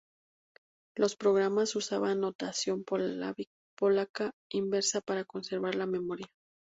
Los programas usaban notación polaca inversa para conservar la memoria.